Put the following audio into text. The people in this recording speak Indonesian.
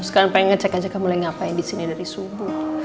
sekarang pengen ngecek aja kamu mulai ngapain di sini dari subuh